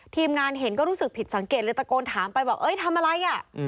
ทีมงานเห็นก็รู้สึกผิดสังเกตเลยตะโกนถามไปบอกเอ้ยทำอะไรอ่ะ